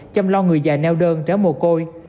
chăm lo người già neo đơn trẻ mồ côi